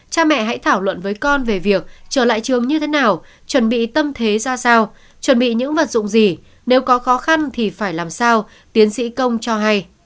cha mẹ hãy thảo luận với con về việc trở lại trường như thế nào chuẩn bị tâm thế ra sao chuẩn bị những vật dụng gì nếu có khó khăn thì phải làm sao tiến sĩ công cho hay